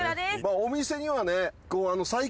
お店にはね。